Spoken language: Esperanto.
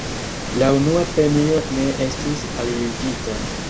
La unua premio ne estis aljuĝita.